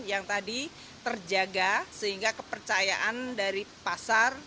yang tadi terjaga sehingga kepercayaan dari pasar